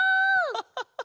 ハハハハハ！